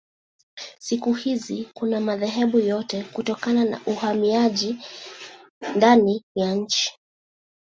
Siku hizi kuna madhehebu yote kutokana na uhamiaji ndani ya nchi.